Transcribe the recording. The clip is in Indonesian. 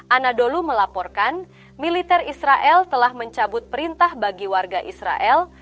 anadolu melaporkan militer israel telah mencabut perintah bagi warga israel